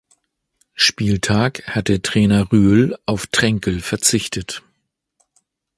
Spieltag hatte Trainer Rühl auf Trenkel verzichtet.